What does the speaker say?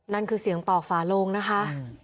นั่นคือเสียงต่อฝาโลงนะคะ